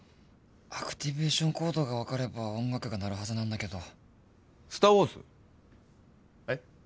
アクティベーションコードが分かれば音楽が鳴るはずなんだけど「スター・ウォーズ」えっ？